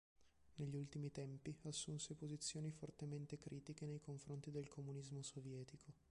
Negli ultimi tempi assunse posizioni fortemente critiche nei confronti del comunismo sovietico.